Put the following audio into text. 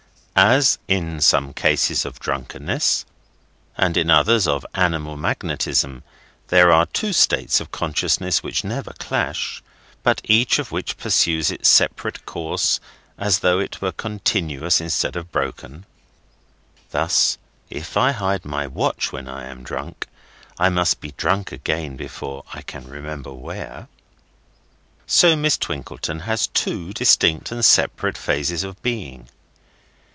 As, in some cases of drunkenness, and in others of animal magnetism, there are two states of consciousness which never clash, but each of which pursues its separate course as though it were continuous instead of broken (thus, if I hide my watch when I am drunk, I must be drunk again before I can remember where), so Miss Twinkleton has two distinct and separate phases of being.